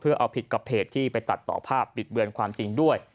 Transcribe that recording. เอาผิดกับเพจที่ไปตัดต่อภาพบิดเบือนความจริงด้วย